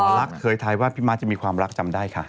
รักเคยทายว่าพี่ม้าจะมีความรักจำได้ค่ะ